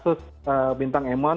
kalau kasus bintang emos